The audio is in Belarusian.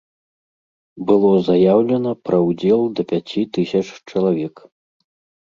Было заяўлена пра ўдзел да пяці тысяч чалавек.